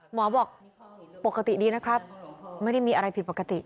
บอกปกติดีนะครับไม่ได้มีอะไรผิดปกติ